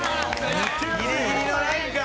ギリギリのラインか。